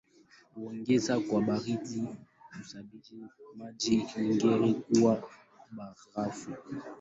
Kuongezeka kwa baridi husababisha maji mengi kuwa barafu.